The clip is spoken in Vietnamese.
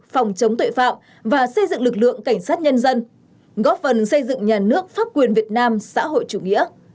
phòng chống tội phạm và xây dựng lực lượng cảnh sát nhân dân góp phần xây dựng nhà nước pháp quyền việt nam xã hội chủ nghĩa